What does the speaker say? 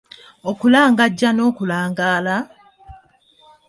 Okulangajja n'okulangaala?